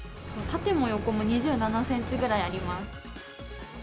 縦も横も２７センチぐらいあります。